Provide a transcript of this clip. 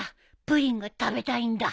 プリンが食べたいんだ。